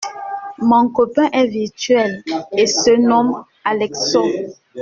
Mon copain est virtuel et se nomme Alexo.